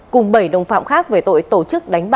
cùng bảy đồng phạm khác về tội tổ chức